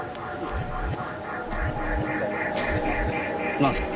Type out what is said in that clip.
何すか？